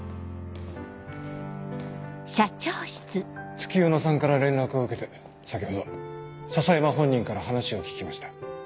月夜野さんから連絡を受けて先ほど篠山本人から話を聞きました。